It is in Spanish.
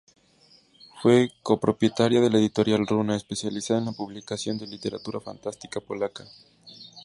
Fue copropietaria de la Editorial "Runa", especializada en la publicación de literatura fantástica polaca.